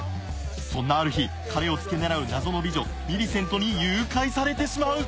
そんなある日彼をつけ狙う謎の美女ミリセントに誘拐されてしまう！